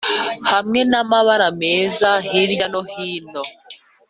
hamwe n'amabara meza hirya no hino?